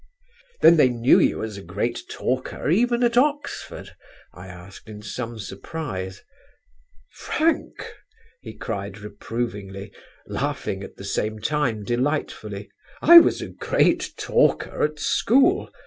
"Then they knew you as a great talker even at Oxford?" I asked in some surprise. "Frank," he cried reprovingly, laughing at the same time delightfully, "I was a great talker at school.